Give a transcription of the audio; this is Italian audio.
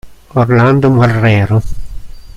Orlando Marrero